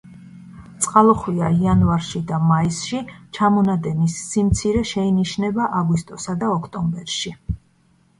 წყალუხვია იანვარში და მაისში, ჩამონადენის სიმცირე შეინიშნება აგვისტოსა და ოქტომბერში.